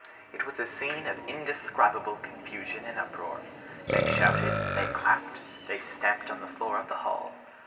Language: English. It was a scene of indescribable confusion and uproar. They shouted, they clapped, they stamped on the floor of the hall.